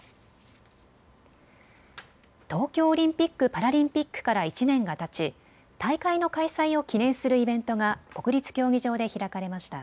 東京オリンピック・パラリンピックから１年がたち大会の開催を記念するイベントが国立競技場で開かれました。